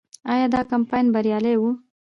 آیا دا کمپاین بریالی و؟